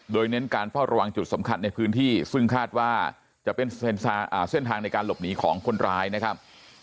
โดยเน้นการเฝ้าระวังจุดสำคัญในพื้นที่ซึ่งคาดว่าจะเป็นเส้นทางในการหลบหนีของคนร้ายนะครับ